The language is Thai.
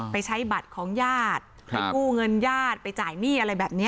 ไปใช้บัตรของญาติไปกู้เงินญาติไปจ่ายหนี้อะไรแบบนี้